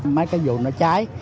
mấy cây dù nó cháy